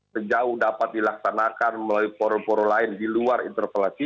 sejauh dapat dilaksanakan melalui poro poro lain di luar interpelasi